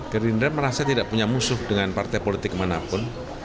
gerindra merasa tidak punya musuh dengan partai politik manapun